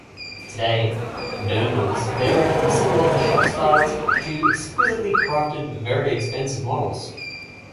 Today, dirndls vary from simple off-the-shelf styles to exquisitely crafted, very expensive models.